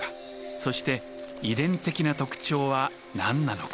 そして遺伝的な特徴は何なのか？